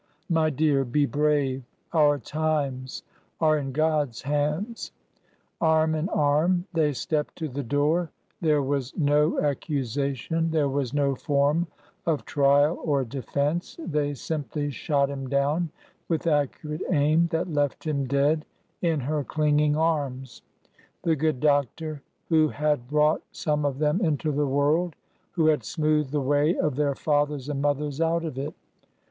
My dear, be brave ! Our times are in God's hands." Arm in arm they stepped to the door. There was no accusation; there was no form of trial or defense; they simply shot him down with accurate aim that left him dead in her clinging arms—the good doctor who had brought some of them into the world— who had smoothed the way of their fathers and mothers out of it.